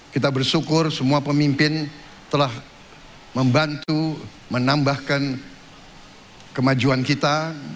kita bersyukur semua pemimpin telah membantu menambahkan kemajuan kita